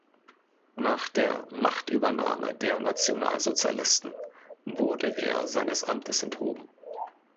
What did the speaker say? Nach der „Machtübernahme“ der Nationalsozialisten wurde er seines Amtes enthoben.